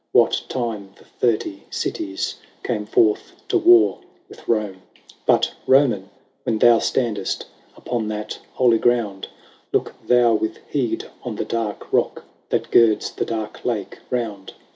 What time the Thirty Cities Came forth to war with Rome. IV. But, Roman, when thou standest Upon that holy ground. Look thou with heed on the dark rock That girds the dark lake round.